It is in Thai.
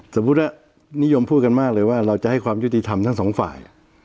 สมมุติว่านิยมพูดกันมากเลยว่าเราจะให้ความยุติธรรมทั้งสองฝ่าย